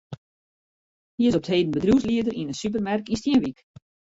Hy is op 't heden bedriuwslieder yn in supermerk yn Stienwyk.